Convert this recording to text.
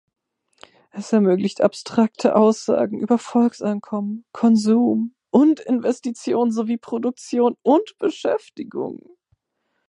Es ermöglicht abstrakte Aussagen über Volkseinkommen, Konsum und Investitionen, sowie Produktion und Beschäftigung.